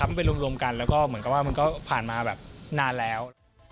มันไปรวมกันแล้วก็เหมือนกับว่ามันก็ผ่านมาแบบนานแล้ว